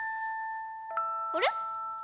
あれ？